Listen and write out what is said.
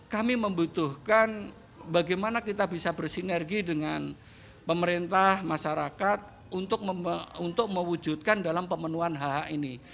kami membutuhkan bagaimana kita bisa bersinergi dengan pemerintah masyarakat untuk mewujudkan dalam pemenuhan hak hak ini